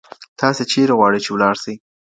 تاسي چيري غواړئ چي ولاړ سئ؟